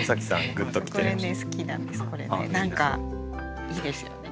何かいいですよね。